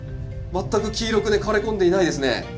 全く黄色く枯れこんでいないですね。